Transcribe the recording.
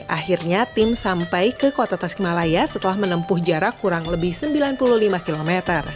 akhirnya tim sampai ke kota tasikmalaya setelah menempuh jarak kurang lebih sembilan puluh lima km